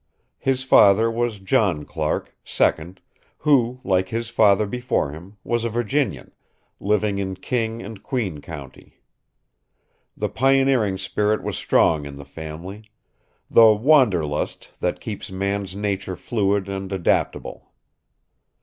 His father was John Clark, second, who, like his father before him, was a Virginian, living in King and Queen County. The pioneering spirit was strong in the family, the Wanderlust, that keeps man's nature fluid and adaptable.